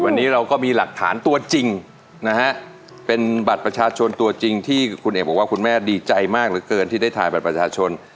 วันนี้เราก็มีหลักฐานตัวจริงนะฮะเป็นบัตรประชาชนตัวจริงที่คุณเอกบอกว่าคุณแม่ดีใจมากเหลือเกินที่ได้ถ่ายบัตรประชาชน